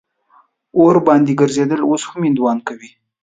اور باندې ګرځېدل اوس هم هندوان کوي.